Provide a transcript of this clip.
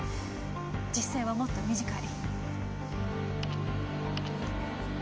実際はもっと短い。